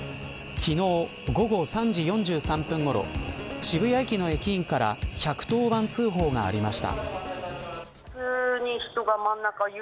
昨日、午後３時４３分ごろ渋谷駅の駅員から１１０番通報がありました。